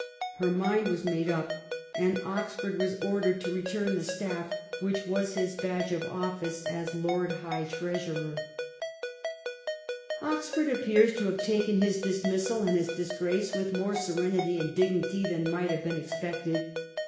Her mind was made up, and Oxford was ordered to return the staff which was his badge of of&ce as Lord High Treetsurer, 350 THE REIGN OF QUEEN ANNE. ch. xxxyii. Oxford appears to have taken his dismissal and his disgrace with more serenity and dignity than might have been expected.